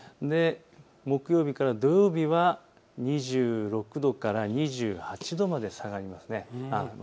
木曜日から土曜日は２６度から２８度まで上がりますね。